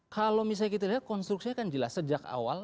kalau misalnya kita lihat konstruksinya kan jelas sejak awal